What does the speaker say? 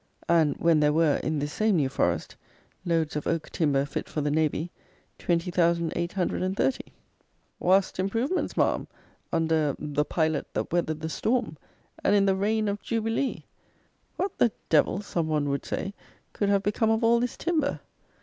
And, when there were, in this same New Forest, loads of oak timber fit for the navy, 20,830. "Waust improvements, Ma'am," under "the Pilot that weathered the storm," and in the reign of Jubilee! What the devil, some one would say, could have become of all this timber?